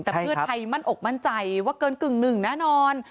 แต่เพื่อไทยมั่นอกมั่นใจว่าเกินกึ่งหนึ่งแน่นอน